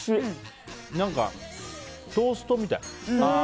何か、トーストみたい。